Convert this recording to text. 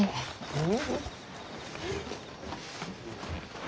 うん。